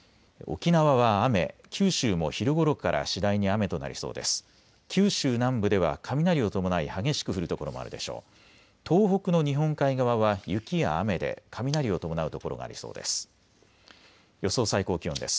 沖縄は雨、九州も昼ごろから次第に雨となりそうです。